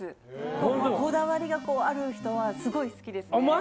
こだわりがこうある人はすごい好きですね。